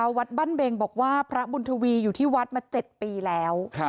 วัดบ้านเบงบอกว่าพระบุญทวีอยู่ที่วัดมา๗ปีแล้ว